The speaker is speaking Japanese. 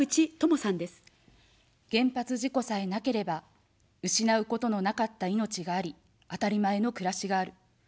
原発事故さえなければ、失うことのなかった命があり、あたりまえの暮らしがある。